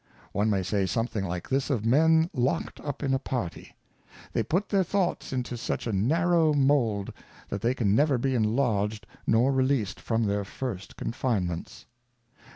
One may say something like this of Men lock'd up in a Party ; They put their Thoughts into such a Narrow Mould, that they can never be enlarged nor released from their first Confinements.